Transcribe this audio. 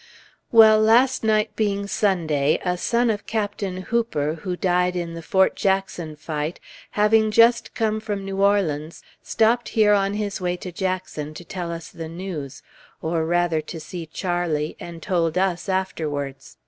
Well, last night being Sunday, a son of Captain Hooper, who died in the Fort Jackson fight, having just come from New Orleans, stopped here on his way to Jackson, to tell us the news, or rather to see Charlie, and told us afterwards.